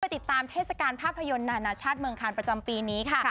ติดตามเทศกาลภาพยนตร์นานาชาติเมืองคานประจำปีนี้ค่ะ